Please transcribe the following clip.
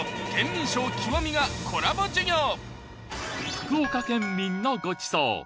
福岡県民のごちそう